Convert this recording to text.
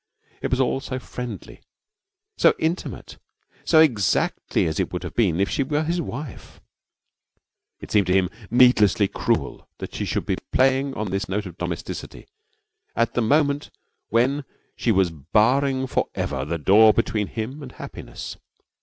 It was all so friendly, so intimate, so exactly as it would have been if she were his wife. It seemed to him needlessly cruel that she should be playing on this note of domesticity at the moment when she was barring for ever the door between him and happiness.